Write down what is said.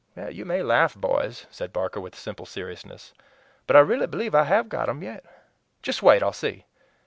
"You may laugh, boys," said Barker, with simple seriousness; "but I really believe I have got 'em yet. Just wait. I'll see!"